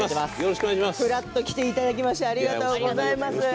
ふらっと来ていただきましてありがとうございます。